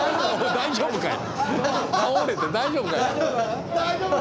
大丈夫かい？